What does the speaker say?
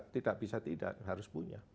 tidak bisa tidak harus punya